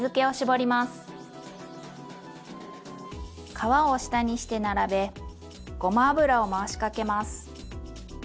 皮を下にして並べごま油を回しかけます。